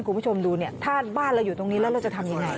คุณผู้ชมดูเนี่ยถ้าบ้านเราอยู่ตรงนี้แล้วเราจะทำยังไง